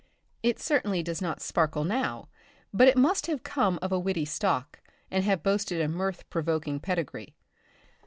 It certainly does not sparkle now, but it must have come of a witty stock, and have boasted a mirth provoking pedigree.